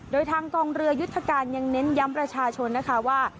โดยทางกองเรือยุทธการยังเน้นย้ำประชาชนนะคะว่า